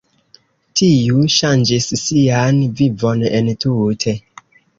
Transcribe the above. Tiu ŝanĝis sian vivon entute.